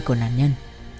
của nạn nhân